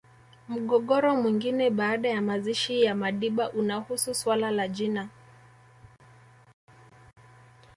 Mgogoro mwingine baada ya mazishi ya Madiba unahusu suala la jina